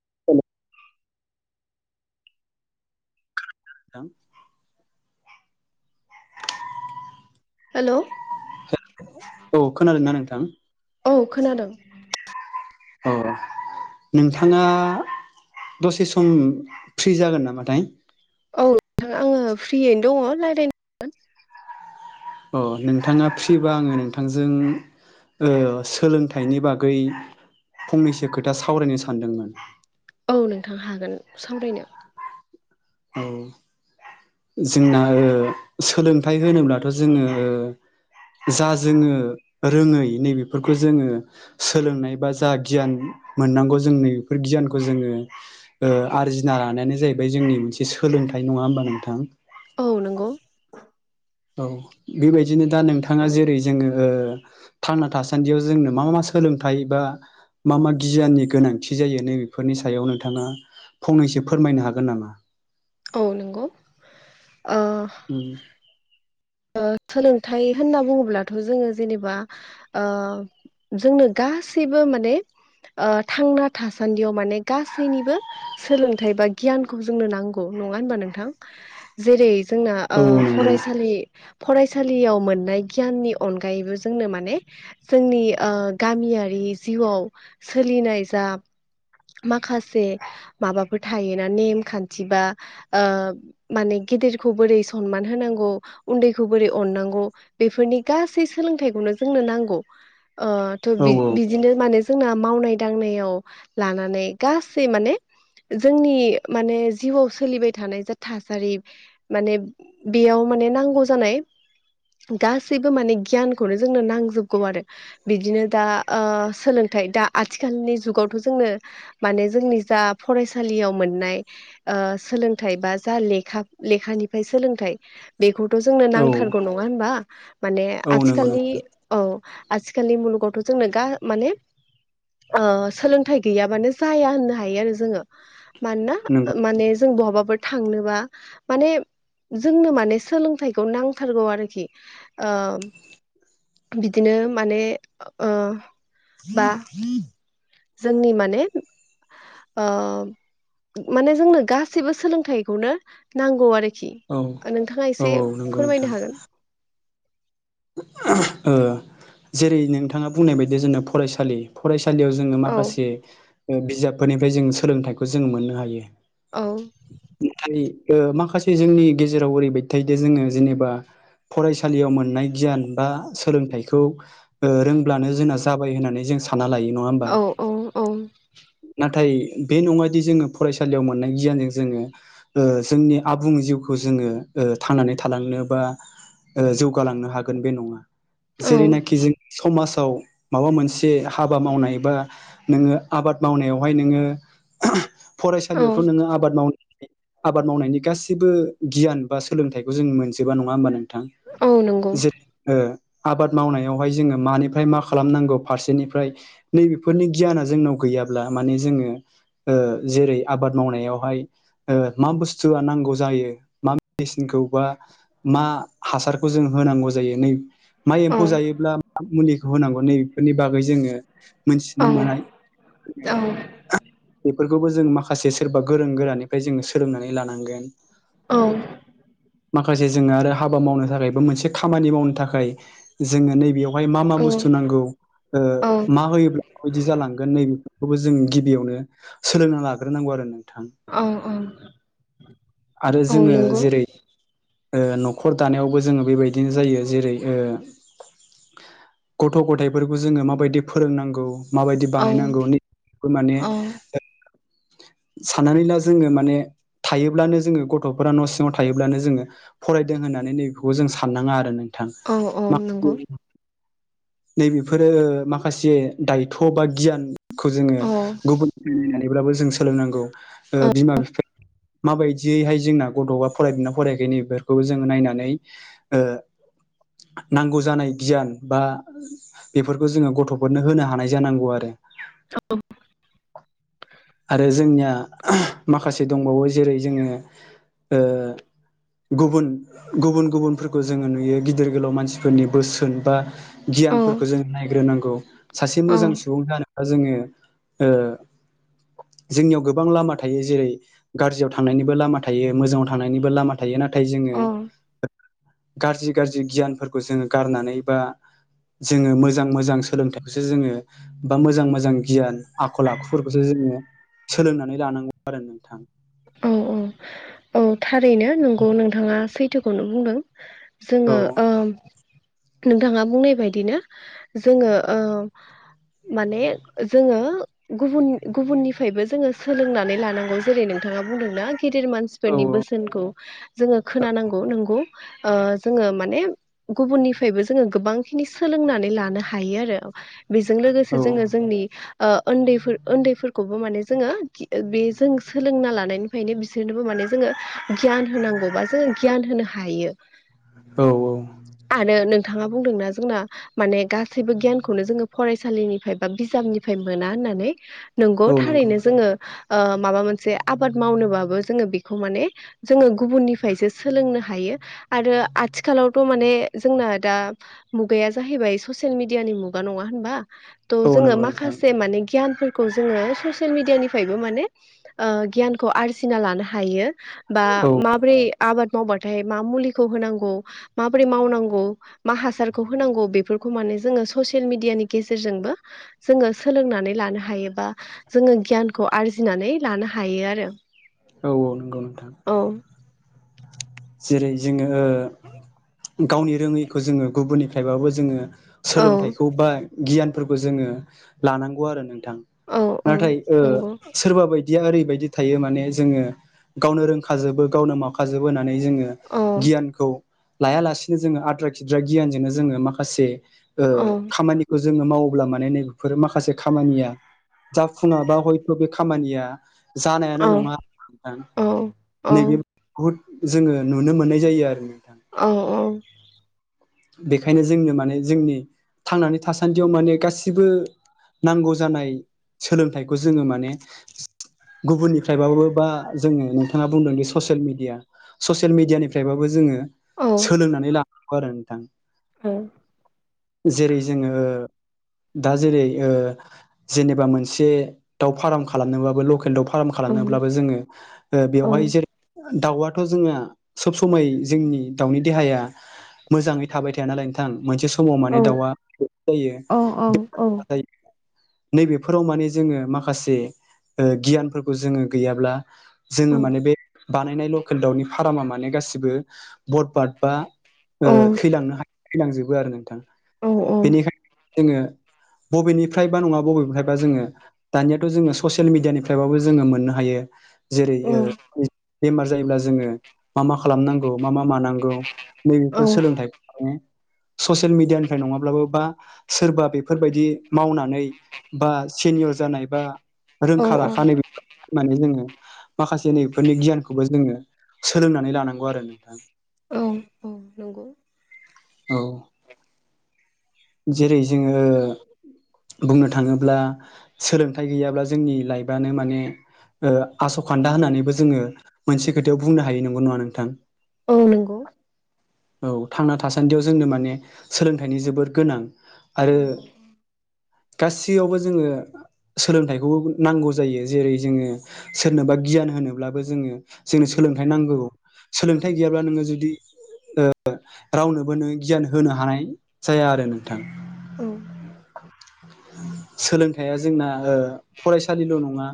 [unintelligible] नोंथां हेल' खो औ खोनादों ना नोंथां? औ खोनादों। औ नोंथाङा दसे सम फ्रि जागोन नामाथाय? औ नोंथां आङो फ्रियैनो दङ लायरायनो हागोन। अ नोंथाङा फ्रिबा आङो नोंथांजों सोलोंथाइनि बागै फंनैसो खोथा सावरायनो सानदोंमोन। औ नोंथां हागोन सावरायनो औ। जोंना सोलोंथाइ होनोब्लाथ' जोङो जा जोङो रोङै नैबेफोरखौ जोङो सोलोंनाय बा जा गियान मोननांगौ जोंनि बेफोर गियानखौ जोङो आरजिना लानायानो जाहैबाय जोंनि मोनसे सोलोंथाइ नङा होनोमबा नोंथां। औ नंगौ औ बेबायदिनो दा नोंथाङा जेरै जोङो थांना थासान्दियाव जोंनो मा मा सोलोंथाइ बा मा मा गियाननि गोनांथि जायो नै बेफोरनि सायाव नोंथाङा फंनैसो फोरमायनो हागोन नामा? औ नंगौ। ओ उम। सोलोंथाइ होनना बुङोब्लाथ' जोङो जेनेबा जोंनो गासैबो माने थांना थासान्दियाव माने गासैनिबो सोलोंथाइ बा गियानखौ जोंनो नांगौ। नङा होनबा नोंथां जेरै जोंना औ नंगौ फरायसालि फरायसालियाव मोननाय गियाननि अनगायैबो जोंनो माने जोंनि गामियारि जिउआव सोलिनाय जा माखासे माबाफोर थायोना नेमखान्थि बा ओ माने गिदिरखौ बोरै सनमान होनांगौ। उन्दैखौ बोरै अननांगौ बेफोरनि गासै सोलोंथाइखौनो जोंनो नांगौ। ओ थ' औ बिदिनो माने जोंना मावनाय दांनायाव लानानै गासै माने जोंनि माने जिउआव सोलिबाय थानाय जा थासारि माने बेयाव माने नांगौ। गौ जानाय गासैबो माने गियानखौनो जोंनो नांजोबगौ आरो बिदिनो दा ओ सोलोंथ नाथाय दा आथिखालनि जुगावथ' जोंनो माने जोंनि जा फरायसालियाव मोननाय ओ सोलोंथाइ बा जा लेखा लेखानिफ्राय सोलोंथाइ बेखौ थ' जोंनो नांथारगौ औ नङा होनबा माने औ नंगौ आथिखालनि नोंथां औ। आथिखालनि मुलुगावथ' जोंनो गा माने ओ सोलोंथाइ गैयाबानो जाया होननो हायो आरो जोङो मानोना नंगौ माने जों बहाबाफोर थांनोबा माने जोंनो माने सोलों थाइखौ नांथारगौ आरोखि ओ बिदिनो माने ओ बा जोंनि माने ओ माने जोंनो गासैबो सोलोंथाइखौनो नांगौ आरोखि। औ खि नोंथाङा औ एसे औ नंगौ फोरमायनो नोंथां। हागोन ओ जेरै नोंथाङा बुंनाय बायदि जोंनो फरायसालि फराय सालियाव जोङो औ माखासे ओ बिजाबफोरनिफ्राय जों सोलोंथाइखौ जों मोननो हायो। औ। नाथाय ओ माखासे जोंनि गेजेराव ओरैबाय थायोदे जोङो जेनेबा फरायसालियाव मोननाय गियान बा सोलोंथाइखौ ओ रोंब्लानो जोंना जाबाय होननानै जों सानो ना लायो नङा होमबा औ औ औ नाथाय बे नङादि जोङो फरायसालियाव मोननाय गियानजों जोङो ओ जोंनि आबुं जिउखौ जोङो ओ थांनानै थालांनो बा ओ जौगालांनो हागोन बे नङा औ जेरैनाखि जों समाजाव माबा मोनसे हाबा मावनाय बा नोङो आबाद मावनायावहाय नोङो औ फरायसालियावथ' नोङो आबाद मावनो आबाद मावनायनि गाैबो गियान बा सोलोंथाइखौ जों मोनजोबा नङा होमबानों थां औ नंगौ जेरै ओ आबाद मावनायावहाय जोङो मानिफ्राय मा खालामनांगौ फारसेनिफ्राय नैबेफोरनि गियाना जोंनाव गैया गैयाब्ला माने जोंङो ओ जेरै आबाद मावनायावहाय ओ मा बुस्थुआ नांगौ जायो मा मेडिसिनखौ बा मा हासारखौ जों होनांग जायो नै मा औ एम्फौ जायोब्ला मा मुलिखौ होनांगौ नै बेफोरनि बागै जोंङो औ मोनथिनो मोननाय औ [unintelligible] बेफोरखौबो जों माखासे सोरबा गोरों गोरानिफ्राय जोंङो सोलोंनानै लानांगोन औ माखासे जोंङो आरो हाबा मावनो थाखायबो मोनसे खामानि मावनो थाखाय जोंङो नैबेयावहाय मा मा बुस्थु औ नांगौ ओ मा होयोब्ला माबायदि जालांगोन नैबे बे खौबो जों गिबियावनो सोलोंना लाग्रोनांगौ आरो नों औ औ आरो जोंङो नंगौ जेरै ओ न'खर दानायावबो जोंङो बेबायदिनो जायो जेरै ओ गथ' गथायाइफोरखौ जोंङो माबायदि फोरोंनांगौ माबायदि औ बानायनांगौ नि माने औ ओ साननानै ला जोंङो माने थायोब्लानो जोंङो गथ'फोरा न' सिङाव थायोब्लानो जोंङो फरायदों होननानै नैबेखौ जों साननाङा आरो नोंथां औ औ माखासे नंगौ नैबेफोरो माखासे दायथ' बा गियान खौ जोङो औ गुबुननिफ्राय नायनानैब्लाबो जों सोलोंनांगौ ओ औ बिमा बिफाया माबायदियैहाय जोंना गथ'आ फरायदोंना फरायखाय नै बेफोरखौबो जोङो नायनानै ओ नांगौ जानाय गियान बा बेफोरखौ जोङो गथ'फोरनो होनो हानाय जानांगौ आरो औ आरो जोंनिया माखासे दंबावो जेरै जोङो ओ गुबुन गुबुन गुबुनफोरखौ जोङो नुयो गिदिर गोलाव मानसिफोरनि बोसोन बा औ गियानफोरखौ जों नायग्रोनांगौ सासे औ मोजां सुबुं जानो दा जोङो ओ जोंनियाव गोबां लामा थायो जेरै गाज्रियाव थांनायनिबो लामा थायो मोजाङाव थांनायनिबो लामा थायो नाथ नाथाय जोङो औ गाज्रि गाज्रि गियानफोरखौ जोङो गारनानै बा जोङो मोजां मोजां सोलोंथाइखौसो जोङो बा मोजां मोजां गियान आखल आखुफोर जो-जोङो सोलोंनानै लानांगौ आरो नोंथां औ औ थारैनो नंगौ नोंथाङा सैथोखौनो बुंदों औ जोङो ओम नोंथाङा बुंनाय बायदिनो जोङो ओ माने जोङो गुबुन गुबुननिफ्रायबो जोङो सोलोंनानै लानांगौ जेरै नोंथां नोंथाङा बुंदोंना गिदिर औ मानसिफोरनि बोसोनखौ जोङो खोनानांगौ नोंगौ ओ जोङो माने गुबुननिफ्रायबो जोङो गोबां खिनि सोलोंनानै लानो हायो आरो बेजों लोगोसे औ जोङो जोंनि ओ उन्दैफोर उन्दैफोरखौबो माने जोङो बे जों सोलोंना लानायनिफ्रायनो बिसोरनोबो माने जोङो गियान होनांगौबा जोङो गियान होनो हायो। औ आरो नों नोंथाङा बुंदोंना जोंना माने गासैबो गियानखौनो जोङो फरायसालिनिफ्राय बा बिजाबनिफ्राय मोना होन नानै नंगौ थारैनो जोंङो ओ माबा मोनसे आबाद मावनानोबाबो जोंङो बेखौ खौ माने जोङो गुबुननिफ्रायसो सोलोंनो हायो आरो आथिखालावथ' माने जोंना दा मुगाया जाहैबाय ससिेल मिडियानि मुगा नङा होनबा थ' औ जोङो नंगौ नोंथां माखासे माने गियानफोर खौ जोङो ससियेल मिडियानिफ्रायबो माने ओ गियानखौ आरजिना लानो हायो बा औ माब्रै आबाद मावबाथाय मा मुलिखौ होनांगौ माबोरै मावनांगौ मा हासारखौ होनांगौ बेफोरखौ माने नि गेजेर जोोंनानै ल हायोा जो गय [unintelligible] खौ आरजिनानै लानो हायो आरो औ औ नंगौ नोंथां औ [inaudible] जेरै जोङो ओ गावनि रोङैखौ जोङो गुबुननिफ्रायबाबो जोङो औ सोलोंथाइखौ बा गियानफोरखौ जोङो लानांगौ आरो नों थां औ औ नाथाय नंगौ सोरबा बायदि बिदिया ओरैबायदि थायो माने जोङो गावनो रोंखाजोबो गावनो मावखाजोबो होननानै जोङो औ गियानखौ लाया लासेनो जोङो आद्रा खिद्रा गियानजोंनो जोङो माखासे ओ औ खामानिखौ जोङो मावोब्ला माने नै बेफोर माखासे खामानिया जाफुङाबा हयथ' बे खामानिया जानायानो औ नङा नोंथां औ औ नैबे भुद जोङो नुनो मोननाय जायो आरो औ-औ। बेखायनो जोंनो माने जोंनि थांनानै थासान्दियाव माने गासिबो नांगौ जानाय सोलोंथाइखौ जोङो माने गुबुननिफ्रायबाबो बा जोंङो नोंथाङा बुंदोंदि ससियेल मिडिया ससियेल मिडियानिफ्रायबाबो जोंङो औ सोलोंनानै ला नांगौ आरो नोंथां औ जेरै जोंङो दा जेरै जेनेबा मोनसे दाउ फार्म खालामनोबाबो लकेल दाउ फार फार्म खालामनोब्लाबो औ जोंङो औ बेवहाय जेरै [unintelligible] दाउआथ' जोंङो सब समाय जोंनि दाउनि देहाया मोजांङै थाबाय थाया नालाय नोंथां मोनसे समाव माने दाउआ [unintelligible] जायो [unintelligible] नैबेफोराव माने जोंङो माखासे ओ गियानफोरखौ जोंङो गैयाब्ला जोंङो माने बे बानायनाय लकेल दाउनि फारामा माने गासिबो बरपाद बा ओ थैलांनो हायो थैलांजोबो आरो नोंथां बेनिखाय जोंङो बबेनिफ्रायबा नंङा बबेनिफ्रायबा जोंङो दानियाथ' जोंङो ससेल मिडियानिफ्रायबाबो जोंङो मोननो हायो जेरै ओ बेमार जायोब्ला जोंङो मा मा खालामनांगौ मा मा मानांगौ नैे सोलोंथाइखौ ने ससियेल मिडियानिफ्राय नङाब्लाबो बा सोरबा बेफोरबायदि मावनानै बा सेनियर जानाय बा रोंखा औ औ राखानाय होननानै जोंङो माखासे नैफोरनि गियानखौबो जोंङो सोलोंनानै लानांगौ आरो नोंथां [inaudible] औ नंगौ औ जेरै जोंङो ओ बुंनो थांङोब्ला सोलोंथाइ गैयाब्ला जोंनि लाइफआनो माने ओ आसखान्दा होननानैबो जोंङो मोनसे खोथायाव बुंनो हायो नंगौ नङा नोंथां औ नंगौ औ थांना थासान्दियाव जोंनो माने सोलोंथाइनि जोबोद गोनां आरो नोंगौ गासैयावबो जोंङो सोलोंथाइखौ नांगौ जायो जेरै जोंङो सोरनोबा गियान होनोब्लाबो जोंङो जोंनो औ सोलोंथाइ नांगौ सोलोंथाइ गैयाब्ला नोंङो जुदि ओ रावनोबो नों गियान होनो हानाय जाया आरो नोंथां औ सोलोंथाइया जोंना ओ फरायसालिल' नंङा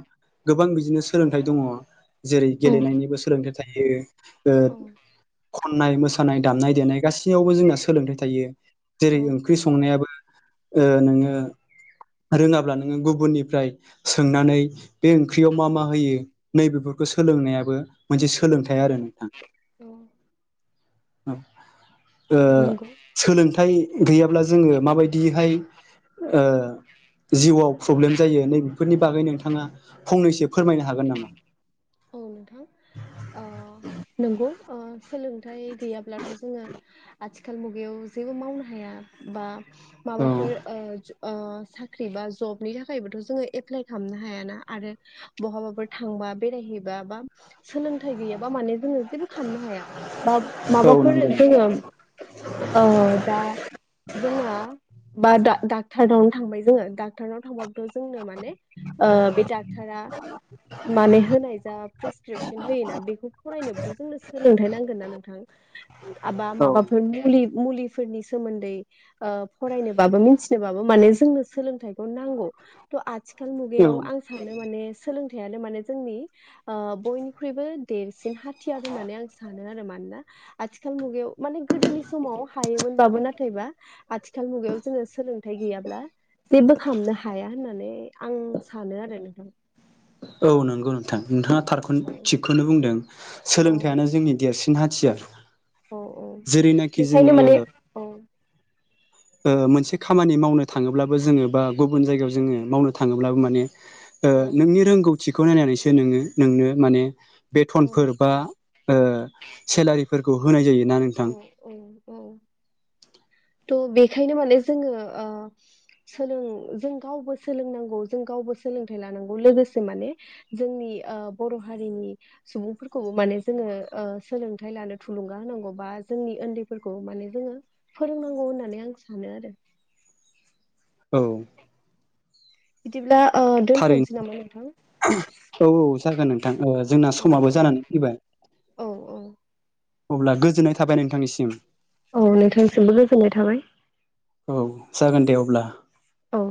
गोबां बिदिनो सोलोंथाइ दंङ जेरै औ गेलेनायनिबो सोलोंथाइ थायो ओ औ खननाय मोसानाय दामनाय देनाय गासैयावबो जोंना सोलोंथाइ थायो जेरै औ ओंख्रि संनायाबो ओ नोङो रोङाब्ला नोङो गुबुननिफ्राय सोंनानै बे ओंख्रियाव मा मा होयो नैबेफोरखौ सो सोलोंनायाबो मोनसे सोलोंथाइ औ आरो नोंथां ओ औ नंगौ सोलोंथाइ गैयाब्ला जोङो माबायदिहाय ओ जिउआव प्रब्लेम जायो नै बेफोरनि बागै नोंथाङा फंनैसो फोरमायनो हागोन नामा? औ नोंथां ओ नंगौ ओ सोलोंथाइ गैयाब्लाथ जोङो आथिखाल मुगायाव जेबो मावनो हाया बा औ माबाफोर ओ ओ साख्रि बा जबनि थाखायबोथ जोङो एप्लाय खालामनो हायाना आरो बहाबाफोर थांबा बेरायहैबा बा सोलोंथाइ गैयाबा माने जोङो जेबो खालामनो हाया बा औ माबाफोर नंगौ जोङो औ दा जोंना बा डा डाक्टारनावनो थांबाय जोङो डक्टरनाव थांबाबो बो जोंनो माने ओ बे डाक्टरा माने होनाय जा प्रेसक्रिपसन होयोना बेखौ फरायनोबोथ जोंनो सोलोंथाइ नांगोन ना नोंथां आबा औ माबाफोर मुलि मुलिफोरनि सोमोन्दै ओ फरायनोबाबो मिथिनोबाबो माने जोंनो सोलोंथाइखौ नांगौ थ आथिखाल औ मुगायाव आं सानो माने सोलोंथाइयानो माने जोंनि ओ बयनिख्रुइबो देरसिन हाथियार होननानै आं सानो आरो मानोना आथिखाल खाल मुगायाव माने गोदोनि समाव हायोमोनबाबो नाथायबा आथिखाल मुगायाव जोङो सोलोंथाइ गैयाब्ला जेबो खामनो हाया होननानै आं सानो आरो नोंथां औ नंगौ नोंथां नोंथाङा औ थारखौनो थिगखौनो बुंदों औ सोलोंथाइयानो जोंनि देरसि न हाथियार औ औ जेरैनाखि बेखायनो माने जोङो औ [inaudible] ओ मोनसे खामानि मावनो थाङोब्लाबो जोङो बा गुबुन जायगायाव जोङो मावनो थाङोब्लाबो माने ओ नोंनि रोंगौथिखौ नायनानैसो नोङो नोंनो माने औ बेथनफोर बा ओ सेलारिफोरखौ होनाय जायो औ औ औ थ बेखायनो माने जोङो ओ सोलों जों गावबो सोलोंनांगौ जों गावबो सोलोंथाइ लानांगौ लोगोसे माने जोंनि ओ बरहारिनि सुबुंफोरखौबो माने जोङो ओ सोलोंथाइ लानो थुुलुंगा होनांगौ बा जोंनि ओन्दैफोरखौ माने जोङो फोरोंनांगौ होननानै आं सानो आरो औ बिदिब्ला ओ थारैनो दोनथनोसै नामा नोंथां? औ औ जागोन नोंथां ओ जोंना औ समाबो जानानै फैबाय औ औ अब्ला गोजोननाय थाबाय नोंथांनिसिम औ नोंथांसिमबो गोजोननाय थाबाय। औ जागोन दे अब्ला। औ